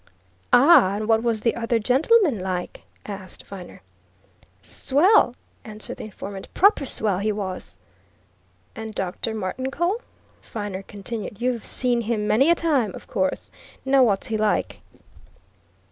"Ah! And what was the other gentleman like?" asked Viner. "Swell!" answered the informant. "Proper swell, he was!" "And Dr. Martincole?" Viner continued. "You've seen him many a time, of course. Now what's he like!"